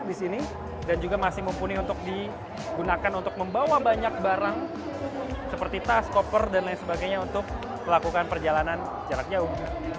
dan juga masih mumpuni untuk digunakan untuk membawa banyak barang seperti tas koper dan lain sebagainya untuk melakukan perjalanan jarak jauh